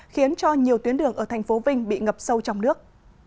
khiến cho nhiều tuyến đường ở thành phố vinh bị ngập sâu trong nước